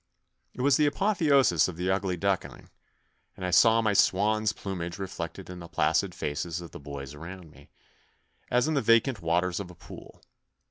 It was the apotheosis of the ugly duckling, and I saw my swan's plumage reflected in the placid faces of the boys around me, as in the vacant waters of a pool.